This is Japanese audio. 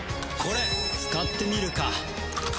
これ使ってみるか。